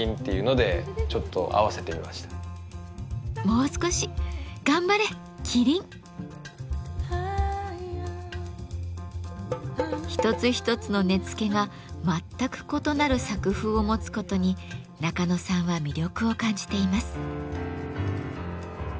もう少し頑張れ麒麟！一つ一つの根付が全く異なる作風を持つことに中野さんは魅力を感じています。